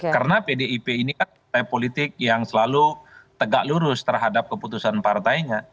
karena pdip ini kan politik yang selalu tegak lurus terhadap keputusan partainya